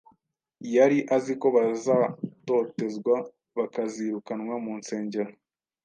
Yari azi ko bazatotezwa, bakazirukanwa mu nsengero,